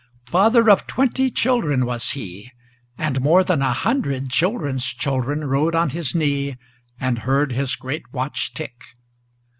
Father of twenty children was he, and more than a hundred Children's children rode on his knee, and heard his great watch tick.